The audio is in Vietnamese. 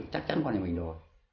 chắc chắn còn gì mình đồ